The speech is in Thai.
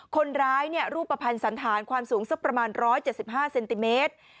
คนร้ายรูปภัณฑ์สันธารความสูงสักประมาณ๑๗๕เซนติเมตร